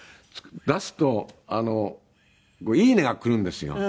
出すと「いいね」がくるんですよ。